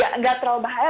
tidak terlalu bahaya